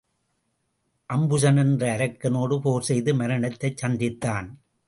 அம்புசன் என்ற அரக்கனோடு போர் செய்து மரணத்தைச் சந்தித்தான்.